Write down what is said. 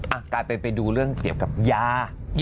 อ่ะกาลไปดูเรื่องเกี่ยวกับลัว